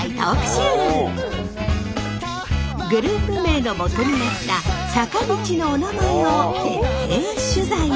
グループ名のもとになった坂道のおなまえを徹底取材！